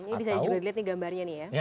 ini bisa juga dilihat nih gambarnya nih ya